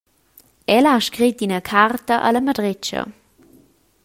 Ella ha scret ina carta alla madretscha.